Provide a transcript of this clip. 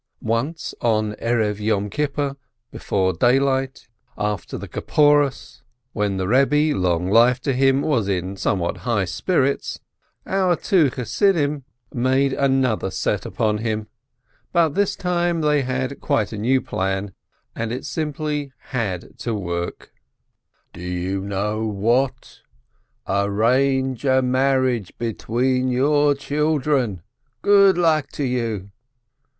Once, on the Eve of Yom Kippur, before daylight, after the waving of the scape fowls, when the Eebbe, long life to him, was in somewhat high spirits, our two Chassidim made EZRIELK THE SCRIBE 221 another set upon him, but this time they had quite a new plan, and it simply had to work out ! "Do you know what? Arrange a marriage between your children ! Good luck to you